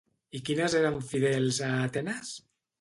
I quines eren fidels a Atenes?